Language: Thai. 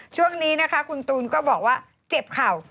ช่วงนี้คุณตูนก็บอกว่าเจ็บข่าว